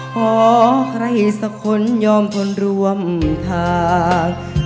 ขอใครสักคนยอมทนร่วมทาง